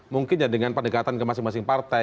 mungkin ya dengan pendekatan ke masing masing partai